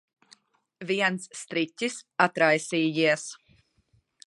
Viens striķis atraisījies.